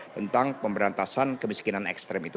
tentang pemberantasan kemiskinan ekstrim itu